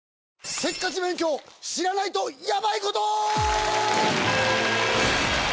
『せっかち勉強知らないとヤバい事』。